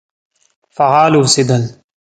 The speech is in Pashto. فعال اوسېدل.